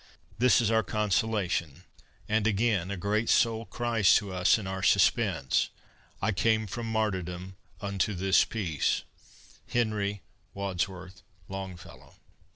This is our consolation; and again A great soul cries to us in our suspense, "I came from martyrdom unto this peace!" HENRY WADSWORTH LONGFELLOW.